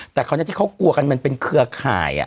แต่คราวนี้ที่เขากลัวกันมันเป็นเครือข่าย